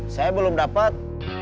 saya belum dapet